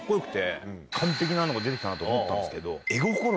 なのが出て来たなと思ったんですけど。